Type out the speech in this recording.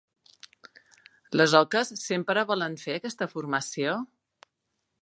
Les oques sempre volen fent aquesta formació?